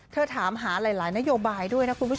ทะธารหาหลายนโยบายด้วย